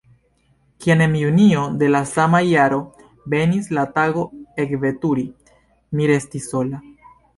Kiam en junio de la sama jaro venis la tago ekveturi, mi restis sola.